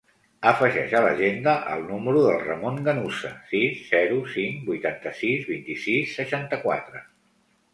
Afegeix a l'agenda el número del Ramon Ganuza: sis, zero, cinc, vuitanta-sis, vint-i-sis, seixanta-quatre.